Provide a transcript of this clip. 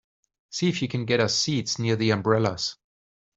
See if you can get us seats near the umbrellas.